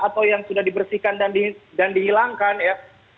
atau yang sudah dibersihkan dan dihilangkan ya